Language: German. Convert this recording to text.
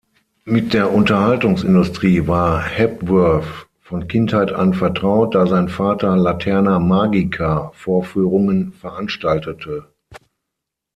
Mit der Unterhaltungsindustrie war Hepworth von Kindheit an vertraut, da sein Vater Laterna-magica-Vorführungen veranstaltete.